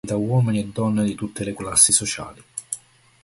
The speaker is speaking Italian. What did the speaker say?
Gli shunga erano apprezzati da uomini e donne di tutte le classi sociali.